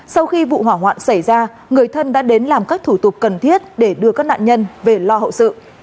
sau khi vụ hỏa hoạn xảy ra người thân đã đến làm các thủ tục cần thiết để đưa các nạn nhân về lo hậu sự